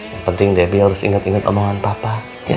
yang penting debi harus inget inget omongan papa